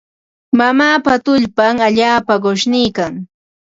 Mamaapa tullpan allaapa qushniikan.